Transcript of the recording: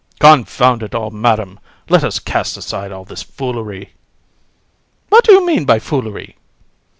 HAR. Confound it all, Madam; let us cast aside all this foolery. COUN. What do you mean by foolery?